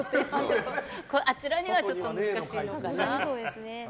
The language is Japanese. あちらにはちょっと難しいのかな。